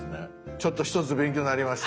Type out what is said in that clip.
ちょっと一つ勉強なりました。